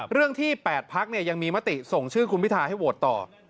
เรื่องที่๘พักยังมีมติส่งชื่อคุณพิทาให้โหวตต่อ